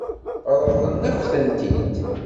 Ṛeḍlen-ak-tent-id?